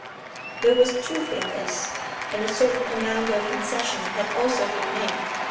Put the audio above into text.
There was truth in this, and a certain amount of concession had also been made.